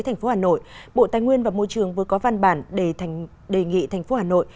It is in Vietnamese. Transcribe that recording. thành phố hà nội bộ tài nguyên và môi trường vừa có văn bản để đề nghị thành phố hà nội